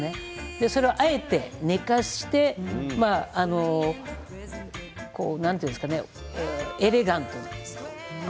それを、あえて寝かせてエレガントに。